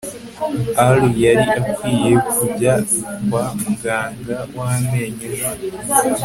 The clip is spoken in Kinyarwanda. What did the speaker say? ally yari akwiye kujya kwa muganga w'amenyo ejo